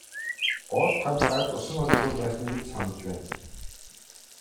Гол талбайд усан оргилуур байсныг л санаж байна.